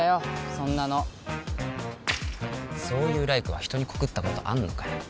そんなのそういう来玖は人に告ったことあんのかよ